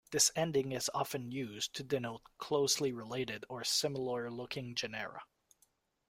This ending is often used to denote closely related or similar looking genera.